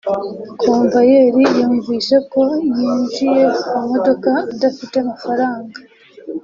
Komvayeri yumvise ko yinjiye mu modoka adafite amafaranga